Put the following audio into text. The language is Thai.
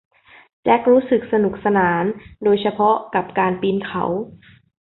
แจ็ครู้สึกสนุกสนานโดยเฉพาะกับการปีนเขา